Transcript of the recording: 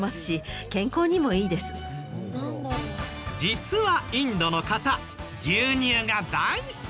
実はインドの方牛乳が大好き！